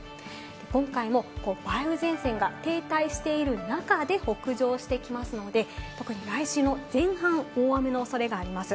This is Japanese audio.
今回も梅雨前線が停滞している中で北上してきますので、特に来週の前半、大雨の恐れがあります。